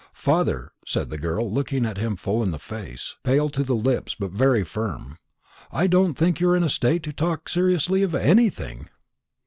"Father," said the girl, looking him full in the face, pale to the lips, but very firm, "I don't think you're in a state to talk seriously of anything."